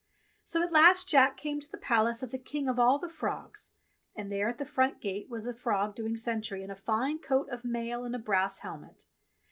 So at last Jack came to the palace of the King of all the Frogs, and there at the front gate was a frog doing sentry in a fine coat of mail and a brass helmet.